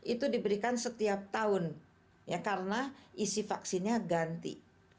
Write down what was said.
itu diberikan setiap tahun ya karena isi vaksinnya ganti